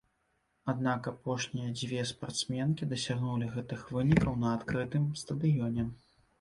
Аднак апошнія дзве спартсменкі дасягнулі гэтых вынікаў на адкрытым стадыёне.